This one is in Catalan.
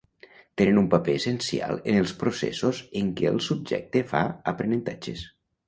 Tenen un paper essencial en els processos en què el subjecte fa aprenentatges.